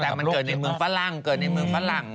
แต่มันเกิดในเมืองฝรั่ง